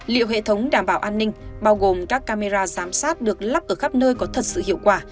liệu hệ thống đảm bảo an ninh bao gồm các camera giám sát được lắp ở khắp nơi có thật sự hiệu quả